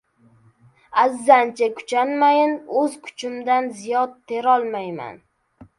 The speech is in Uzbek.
Azzancha kuchanmayin — o‘z kuchimdan ziyod terolmayman.